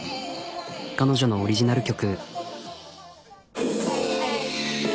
彼女のオリジナル曲。